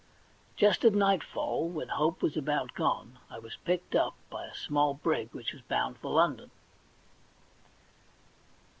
Just at nightfall, when hope was about gone, I was picked up by a small brig which was bound for London.